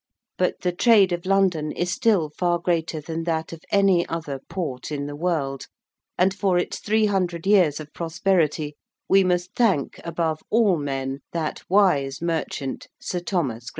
But the trade of London is still far greater than that of any other port in the world, and for its three hundred years of prosperity we must thank, above all men, that wise merchant Sir Thomas Gresham.